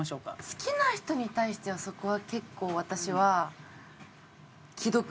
好きな人に対してはそこは結構私は。